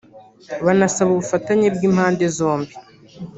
banasaba ubufatanye bw’impande zose